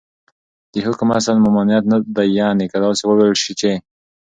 دحكم اصل ، ممانعت دى يعني كه داسي وويل سي چې